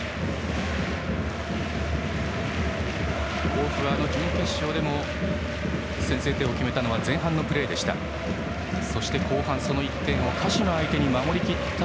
甲府は準決勝でも先制点を決めたのは前半のプレーでした。